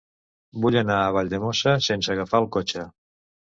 Vull anar a Valldemossa sense agafar el cotxe.